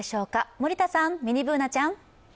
森田さん、ミニＢｏｏｎａちゃん。